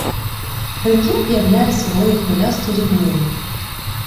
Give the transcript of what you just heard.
Рельєф являє собою хвилясту рівнину.